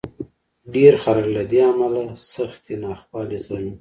ډېر خلک له دې امله سختې ناخوالې زغمي.